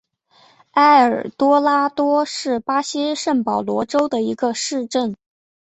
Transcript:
埃尔多拉多是巴西圣保罗州的一个市镇。